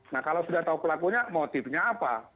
nah kalau sudah tahu pelakunya motifnya apa